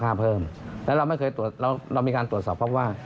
มูลค่าเพิ่มและเราไม่เคยตรวจเรามีการตรวจสอบเพราะว่า